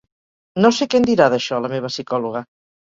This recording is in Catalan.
No sé què en dirà, d'això, la meva psicòloga.